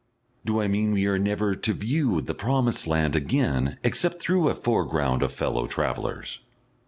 Do I mean we are never to view the promised land again except through a foreground of fellow travellers?